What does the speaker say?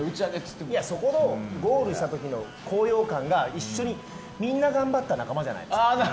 そこのゴールした時の高揚感が一緒に、みんな頑張った仲間じゃないですか。